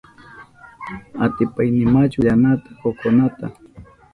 ¿Atipaynimachu pallanata kokonaykita?